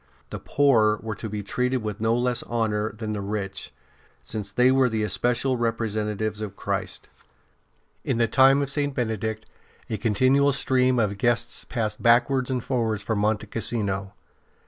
The poor were to be treated with no less honour than the rich, since they were the especial representatives of Christ. In the time of St. Benedict a continual stream of guests passed backwards and forwards from Monte Cassino.